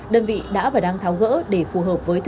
đơn vị đã và đang tháo gỡ để phù hợp với